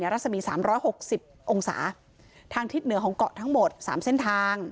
รัศมี๓๖๐องศาทางทิศเหนือของเกาะทั้งหมด๓เส้นทาง